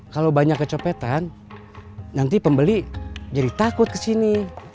kalau banyak kecopetan nanti pembeli jadi takut ke sini